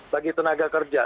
bagi tenaga kerja